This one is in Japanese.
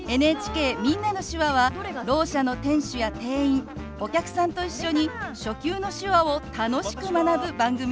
「みんなの手話」はろう者の店主や店員お客さんと一緒に初級の手話を楽しく学ぶ番組です。